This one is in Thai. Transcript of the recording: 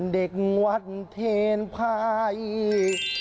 เด็กวัชเทรนไพร